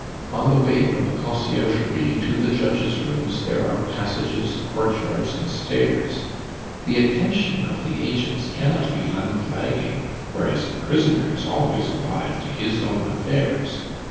On the way from the Conciergerie to the judges' rooms there are passages, courtyards, and stairs. The attention of the agents cannot be unflagging, whereas the prisoner is always alive to his own affairs.